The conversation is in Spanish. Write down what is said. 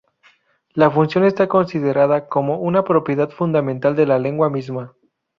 La función está considerada como "una propiedad fundamental de la lengua misma".